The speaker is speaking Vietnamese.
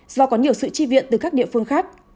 do có nhiều sự chi viện từ các địa phương khác